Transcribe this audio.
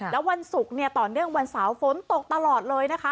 แล้ววันศุกร์เนี่ยต่อเนื่องวันเสาร์ฝนตกตลอดเลยนะคะ